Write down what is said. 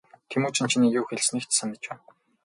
Тэмүжин чиний юу хэлснийг ч санаж байна.